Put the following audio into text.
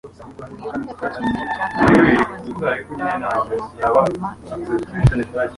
Wibuke ko kimwe cya kabiri cyubuzima bwabayeho nyuma ya mirongo ine